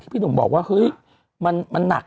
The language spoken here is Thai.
พี่หนุ่มบอกว่าเฮ้ยมันหนัก